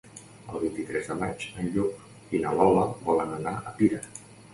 El vint-i-tres de maig en Lluc i na Lola volen anar a Pira.